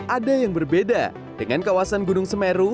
ada yang berbeda dengan kawasan gunung semeru